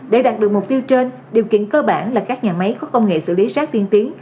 để đạt được mục tiêu trên điều kiện cơ bản là các nhà máy có công nghệ xử lý sát tiên tiến